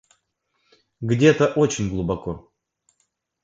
Где-то очень глубоко.